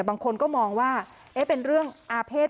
บางคนก็มองว่าเป็นเรื่องอาเภษ